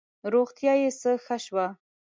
روغتیا یې څه ښه شوه.